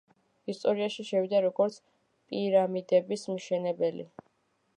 ისტორიაში შევიდა როგორც პირამიდების მშენებელი.